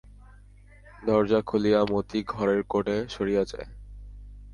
দরজা খুলিয়া মতি ঘরের কোণে সরিয়া যায়।